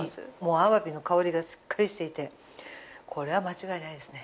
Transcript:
アワビの香りがしっかりしていてこれは間違いないですね。